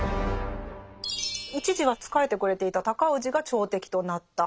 一時は仕えてくれていた尊氏が朝敵となった。